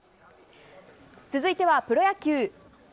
続いてはプロ野球。